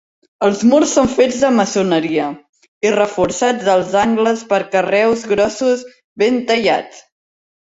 Els murs són fets de maçoneria i reforçats als angles per carreus grossos ben tallats.